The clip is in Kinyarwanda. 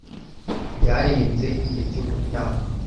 Byarenze igihe cyo kuryama.